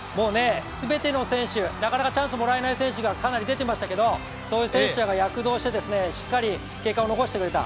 全ての選手、なかなかチャンスもらえない選手がかなり出ていましたけどそういう選手が躍動してしっかり結果残してくれた。